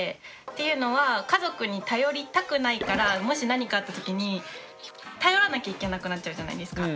というのは家族に頼りたくないからもし何かあった時に頼らなきゃいけなくなっちゃうじゃないですか。